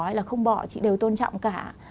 hay là không bỏ chị đều tôn trọng cả